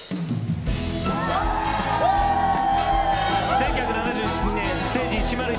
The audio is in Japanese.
１９７２年「ステージ１０１」。